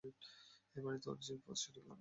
এ বাড়িতে ওর যে পদ সেটা বিড়ম্বনা।